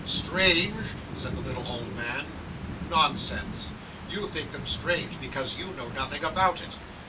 'Strange!' said the little old man. 'Nonsense; you think them strange, because you know nothing about it.